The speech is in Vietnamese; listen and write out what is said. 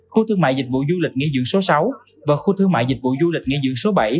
khu thương mại dịch vụ du lịch nghỉ dưỡng số sáu và khu thương mại dịch vụ du lịch nghỉ dưỡng số bảy